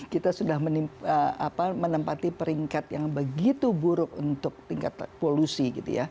kita sudah menempati peringkat yang begitu buruk untuk tingkat polusi